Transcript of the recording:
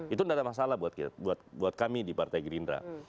itu tidak ada masalah buat kami di partai gerindra